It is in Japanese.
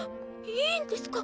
いいんですか？